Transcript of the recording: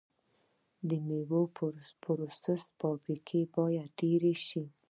د میوو پروسس فابریکې باید ډیرې شي.